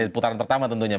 putaran pertama tentunya